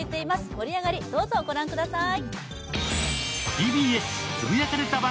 盛り上がりをどうぞご覧ください。